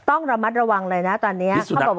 ต้องระมัดระวังเลยนะตอนนี้เขาบอก